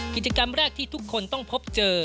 กิจกรรมแรกที่ทุกคนต้องพบเจอ